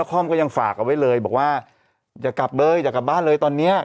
ผมว่า๑๓หน้ามาแน่วันนี้